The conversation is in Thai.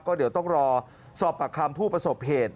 ก็เดี๋ยวต้องรอสอบปากคำผู้ประสบเหตุ